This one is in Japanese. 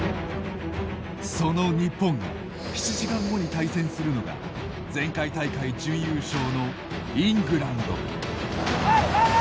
その日本が７時間後に対戦するのが前回大会、準優勝のイングランド。